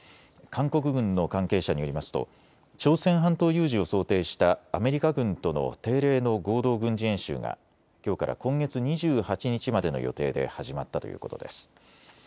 韓国軍の関係者によりますと朝鮮半島有事を想定したアメリカ軍との定例の合同軍事演習がきょうから今月２８日までの予定で始まったということです。